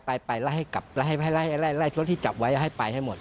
ไปไล่ให้กลับไล่รถที่จับไว้ให้ไปให้หมด